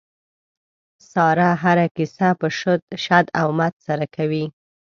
ساره هره کیسه په شد او مد سره کوي.